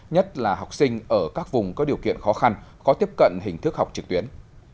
nhất là học sinh ở các vùng có điều kiện khó khăn khó tiếp cận hình thức học trực tuyến